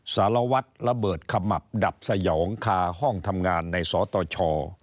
สารวัตรระเบิดขมับดับสยองคาห้องทำงานในสตช